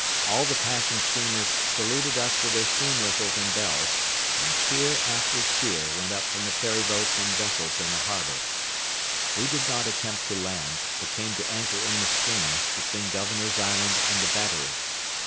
All the passing steamers saluted us with their steam whistles and bells, and cheer after cheer went up from the ferry boats and vessels in the harbor. We did not attempt to land, but came to anchor in the stream, between Governor's Island and the Battery.